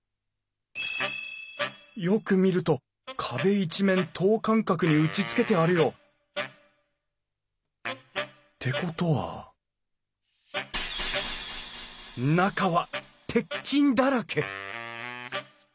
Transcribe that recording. よく見ると壁一面等間隔に打ちつけてあるよ。ってことは中は鉄筋だらけ！？